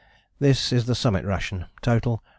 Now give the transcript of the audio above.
This is the Summit ration, total 34.